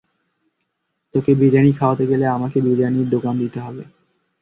তোকে বিরিয়ানি খাওয়াতে গেলে আমাকে বিরিয়ানির দোকান দিতে হবে।